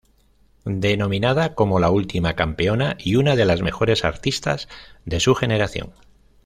Denominada como la última campeona y una de los mejores artistas de su generación.